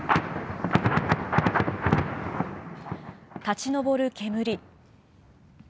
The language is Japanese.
立ち上る煙。